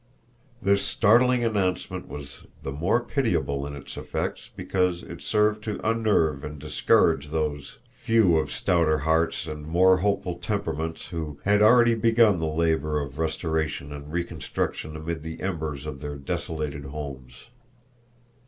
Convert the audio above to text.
This startling announcement was the more pitiable in its effects because it served to unnerve and discourage those few of stouter hearts and more hopeful temperaments who had already begun the labor of restoration and reconstruction amid the embers of their desolated homes.